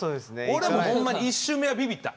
俺もホンマに１週目はビビった。